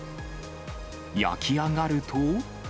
焼き上がると。